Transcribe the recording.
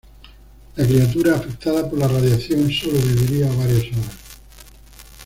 La criatura, afectada por la radiación, sólo viviría varias horas.